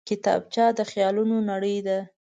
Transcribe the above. کتابچه د خیالونو نړۍ ده